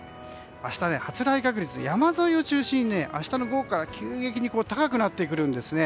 明日、発雷確率山沿いを中心に明日の午後から急激に高くなってくるんですね。